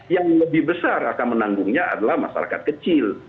yang lebih besar akan menanggungnya adalah masyarakat kecil